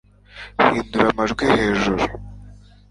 hindura amajwi hejuru